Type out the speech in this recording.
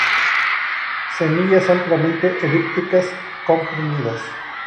Semillas ampliamente elípticas, comprimidas.